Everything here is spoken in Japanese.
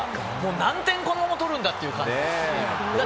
何点、このまま取るんだという感じです。